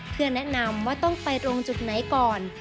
เพื่อแนะนำว่าต้องไปตรงจุดไหนก่อน